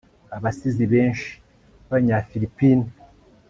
abasizi benshi b'abanyafilipine